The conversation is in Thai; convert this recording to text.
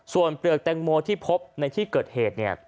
ส่วนเปลือกแตงโมที่พบในที่เกิดเหตุเนี่ย